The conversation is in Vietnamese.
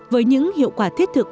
với những hiệu quả thiết thực